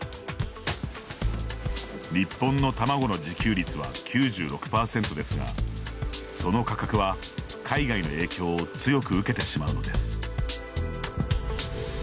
日本の卵の自給率は９６％ですがその価格は海外の影響を強く受けてしまうのです。